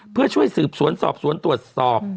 เพื่อช่วยสืบสวนสอบสวนตรวจสอบ